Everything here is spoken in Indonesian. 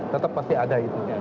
tetap pasti ada itu